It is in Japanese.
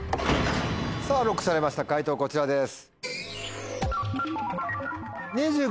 さぁＬＯＣＫされました解答こちらです。